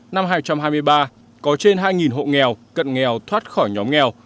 năm hai nghìn hai mươi ba có trên hai hộ nghèo cận nghèo thoát khỏi nhóm nghèo